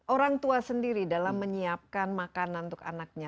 orang tua sendiri dalam menyiapkan makanan untuk anaknya